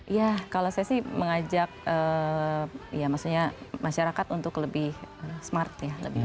ya kalau saya sih mengajak masyarakat untuk lebih smart ya